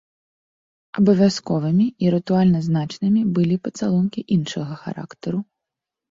Абавязковымі і рытуальна значнымі былі пацалункі іншага характару.